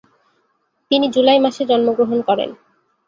তিনি জুলাই মাসে জন্মগ্রহণ করেন।